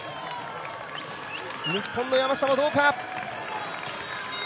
日本の山下もどうか。